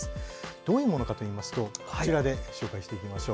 どういうものかといいますとこちらで紹介していきましょう。